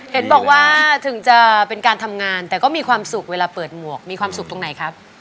เห็นบอกว่าถึงจะเป็นการทำงานแต่ก็มีความสุขเวลาเปิดหมวกมีความสุขตรงไหนครับ